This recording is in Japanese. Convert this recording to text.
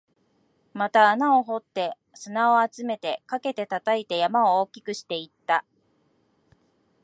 また穴を掘って、砂を集めて、かけて、叩いて、山を大きくしていった